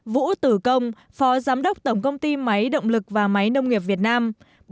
bốn vũ tử công phó giám đốc tổng công ty máy động lực và máy nông nghiệp việt nam